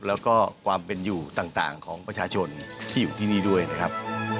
แล้วก็ความเป็นอยู่ต่างของประชาชนที่อยู่ที่นี่ด้วยนะครับ